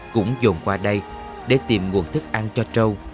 cũng dồn qua đây để tìm nguồn thức ăn cho trâu